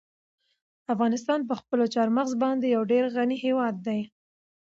افغانستان په خپلو چار مغز باندې یو ډېر غني هېواد دی.